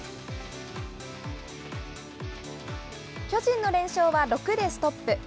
巨人の連勝は６でストップ。